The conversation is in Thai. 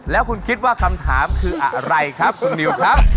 แล้วคุณคิดว่าคำถามคืออะไรครับคุณนิวครับ